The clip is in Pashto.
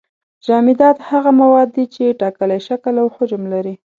جامدات هغه مواد دي چې ټاکلی شکل او حجم لري.